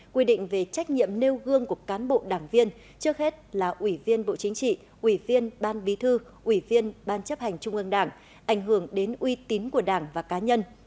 quy định về trách nhiệm nêu gương của cán bộ đảng viên trước hết là ủy viên bộ chính trị ủy viên ban bí thư ủy viên ban chấp hành trung ương đảng ảnh hưởng đến uy tín của đảng và cá nhân